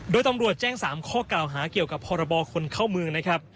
โดยตำรวจแจ้ง๓ข้อกล่าวหาเกี่ยวกับพรบคนเข้าเมืองนะครับ